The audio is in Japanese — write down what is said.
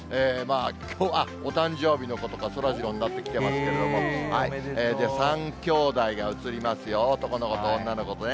お誕生日の子とか、そらジローになってきてますけれども、３きょうだいが映りますよ、男の子と女の子とね。